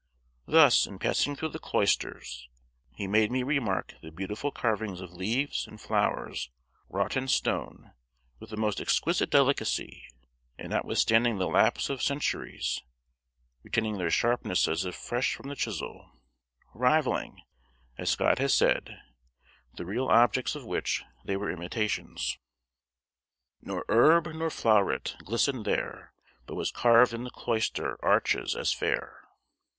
Thus, in passing through the cloisters, he made me remark the beautiful carvings of leaves and flowers wrought in stone with the most exquisite delicacy, and, notwithstanding the lapse of centuries, retaining their sharpness as if fresh from the chisel; rivalling, as Scott has said, the real objects of which they were imitations: "Nor herb nor flowret glistened there But was carved in the cloister arches as fair."